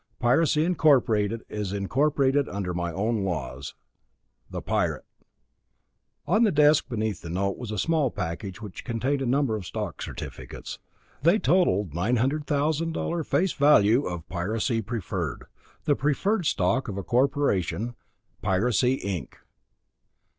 Piracy Incorporated is incorporated under my own laws. The Pirate On the desk beneath the note was a small package which contained a number of stock certificates. They totalled $900,000 face value of "Piracy Preferred", the preferred stock of a corporation, "Piracy, Inc."